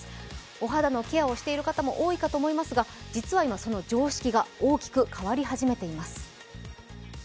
お肌のケアをしている方も多いと思いますが実は今、その常識が大きく変わり始めています。